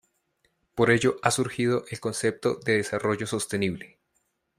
Por ello ha surgido el concepto de Desarrollo sostenible.